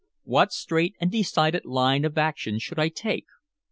What straight and decided line of action should I take?